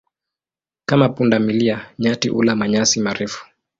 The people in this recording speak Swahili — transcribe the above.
Kama punda milia, nyati hula manyasi marefu.